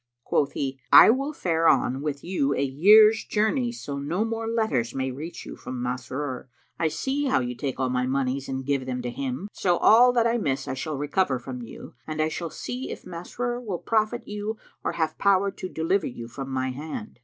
Quoth he, "I will fare on with you a year's journey, so no more letters may reach you from Masrur. I see how you take all my monies and give them to him; so all that I miss I shall recover from you: and I shall see if Masrur will profit you or have power to deliver you from my hand."